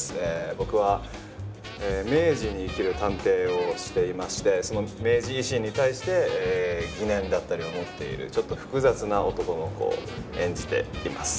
僕は明治に生きる探偵をしていましてその明治維新に対して疑念だったりを持っているちょっと複雑な男の子を演じています。